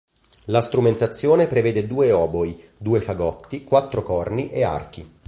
La strumentazione prevede due oboi, due fagotti, quattro corni e archi.